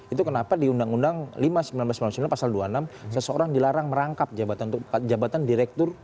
itu kenapa di undang undang lima seribu sembilan ratus sembilan puluh sembilan pasal dua puluh enam seseorang dilarang merangkap jabatan direktur